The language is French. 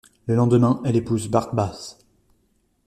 Le lendemain, elle épouse Bart Bass.